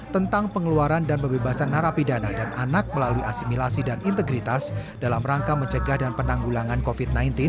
tentang pengeluaran dan pembebasan narapidana dan anak melalui asimilasi dan integritas dalam rangka mencegah dan penanggulangan covid sembilan belas